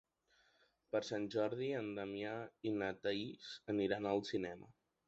Per Sant Jordi en Damià i na Thaís aniran al cinema.